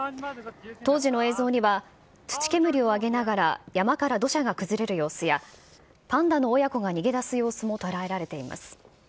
当時の映像には土煙を上げながら山から土砂が崩れる様子や、パンダの親子が逃げ出す様子も捉えられています。